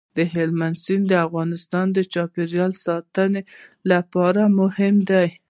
هلمند سیند د افغانستان د چاپیریال ساتنې لپاره مهم دي.